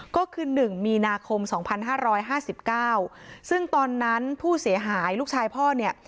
ก็คือหนึ่งมีนาคมสองพันห้าร้อยห้าสิบเก้าซึ่งตอนนั้นผู้เสียหายลูกชายพ่อเนี่ย